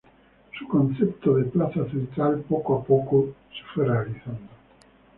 Su concepto de plaza central poco a poco se fue realizando.